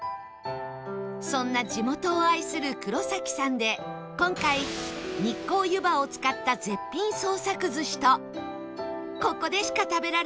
そんな地元を愛するくろさきさんで今回日光湯波を使った絶品創作寿司とここでしか食べられない激